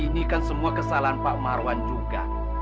ini kan semua kesalahan pak marwan juga